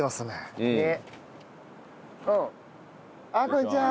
こんにちは。